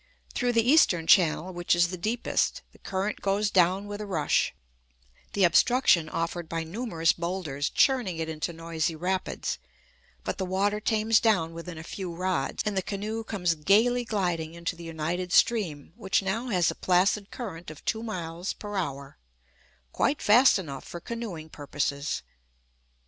Through the eastern channel, which is the deepest, the current goes down with a rush, the obstruction offered by numerous bowlders churning it into noisy rapids; but the water tames down within a few rods, and the canoe comes gayly gliding into the united stream, which now has a placid current of two miles per hour, quite fast enough for canoeing purposes.